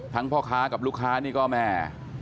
พ่อค้ากับลูกค้านี่ก็แม่